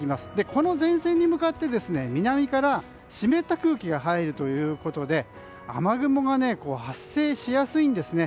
この前線に向かって南から湿った空気が入るということで雨雲が発生しやすいんですね。